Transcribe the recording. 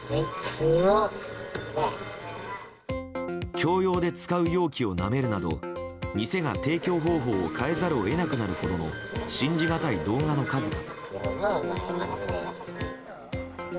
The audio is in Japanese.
共用で使う容器をなめるなど店が提供方法を変えざるを得なくなるほどの信じがたい動画の数々。